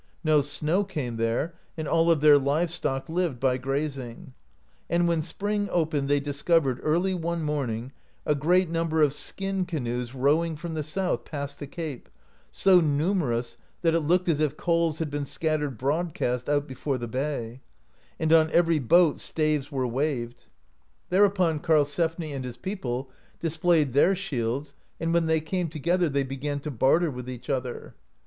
No snow came there, and all of their live stock lived by grazing (55). And when spring opened they dis covered, early one morning, a great number of skin ca noes rowing from the south past the cape, so numerous that it looked as if coals had been scattered broadcast out before the bay ; and on every hosLt staves were waved* SS AMERICA DISCOVERED BY NORSEMEN Thereupon Karlsefni and his people displayed their shields and when they came together they began to barter with each other.